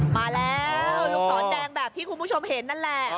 มาแล้วลูกศรแดงแบบที่คุณผู้ชมเห็นนั่นแหละ